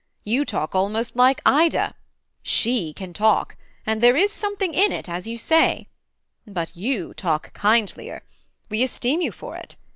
You talk almost like Ida: she can talk; And there is something in it as you say: But you talk kindlier: we esteem you for it.